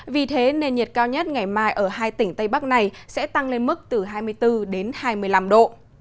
vì thế nền nhiệt cao nhất ngày mai ở hai tỉnh tây bắc này sẽ tăng lên mức từ hai mươi bốn đến hai mươi năm độ